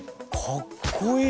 かっこいい！